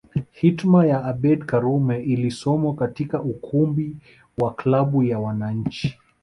Hitma ya Abeid Karume ilisomwa katika ukumbi wa klabu ya wananchi